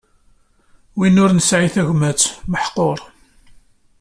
Win ur nesɛi tagmat, meḥquṛ.